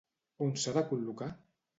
On s'ha de col·locar?